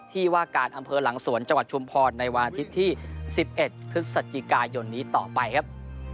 ที่ว่าการอำเภอหลังสวนจังหวัดชุมพรในวันอาทิตย์ที่๑๑พฤศจิกายนนี้ต่อไปครับ